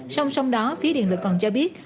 xong xong đó phía điện lực còn cho biết